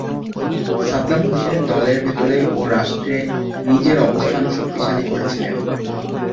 Saddam Hussein দলের ভেতরে ও রাষ্ট্রে নিজের অবস্থান শক্তিশালী করেছিলেন।